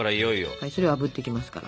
はいそれあぶっていきますから。